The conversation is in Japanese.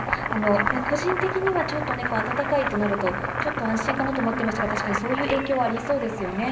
個人的にはちょっとね、暖かいとなると、ちょっと安心かなと思っていましたが、確かにそういう影響はありそうですよね。